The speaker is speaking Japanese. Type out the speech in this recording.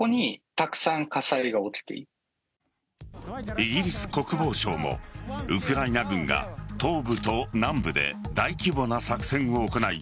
イギリス国防省もウクライナ軍が東部と南部で大規模な作戦を行い